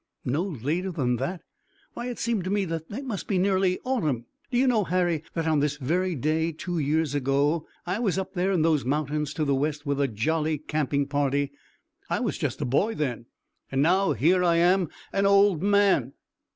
"No later than that? Why, it seemed to me that it must be nearly autumn. Do you know, Harry, that on this very day, two years ago, I was up there in those mountains to the west with a jolly camping party. I was just a boy then, and now here I am an old man."